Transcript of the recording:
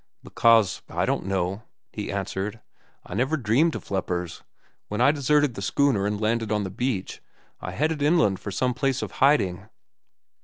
"Because I didn't know," he answered. "I never dreamed of lepers. When I deserted the schooner and landed on the beach, I headed inland for some place of hiding.